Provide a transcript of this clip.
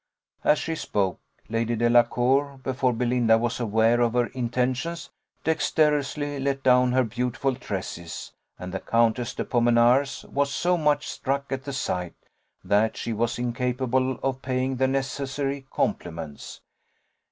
As she spoke, Lady Delacour, before Belinda was aware of her intentions, dexterously let down her beautiful tresses; and the Countess de Pomenars was so much struck at the sight, that she was incapable of paying the necessary compliments.